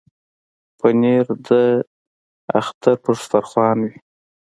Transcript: پنېر د اختر پر دسترخوان وي.